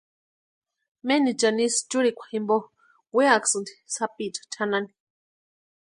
Menichani ísï churikwa jimpo weakusïnti sapicha chʼanani.